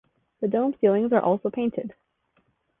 The dome ceilings are also painted.